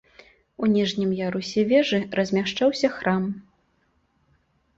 У ніжнім ярусе вежы размяшчаўся храм.